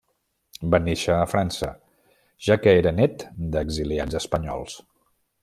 Va néixer a França, ja que era nét d'exiliats espanyols.